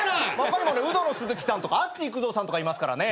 他にもねウドの鈴木さんとかあっち幾三さんとかいますからね。